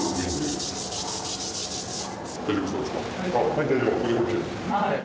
はい。